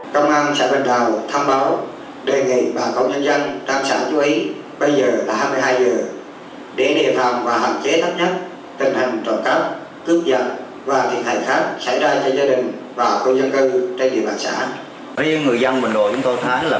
công an xã bình đào tham báo đề nghị bà công nhân dân đam sản chú ý bây giờ là hai mươi hai h